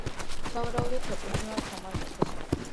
სავარაუდოდ ეკუთვნოდა თამარ მეფეს.